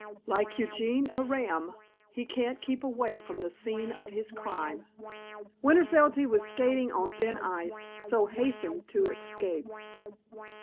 "Like Eugene Aram, he can't keep away from the scene of his crime." Winter felt he was skating on thin ice, so hastened to escape.